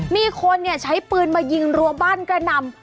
มีคนใช้ปืนมายิงรัวบ้านกระนำ